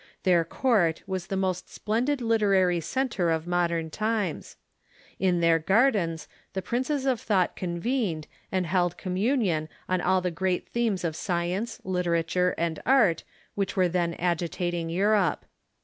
Their court was the most splendid literary centre of modern times. In their gardens the princes of tliought convened, and held communion on all the great themes of science, literature, and art which were then agitating Europe.